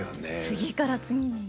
次から次にね。